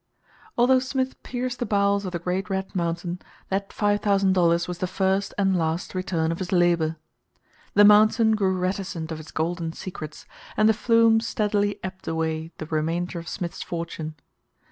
Although Smith pierced the bowels of the great red mountain, that five thousand dollars was the first and last return of his labor. The mountain grew reticent of its golden secrets, and the flume steadily ebbed away the remainder of Smith's fortune.